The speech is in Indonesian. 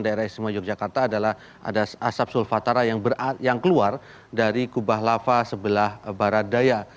daerah istimewa yogyakarta adalah ada asap sulfatara yang keluar dari kubah lava sebelah barat daya